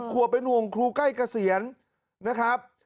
อ้อ๑๐ขวบเป็นวงครูใกล้เกษียณนะครับ